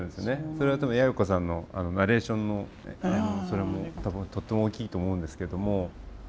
それはでも也哉子さんのナレーションのそれもとっても大きいと思うんですけども。